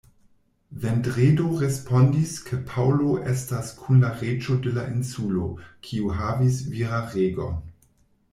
Vendredo respondis, ke Paŭlo estas kun la reĝo de la insulo, kiu havis viraregon.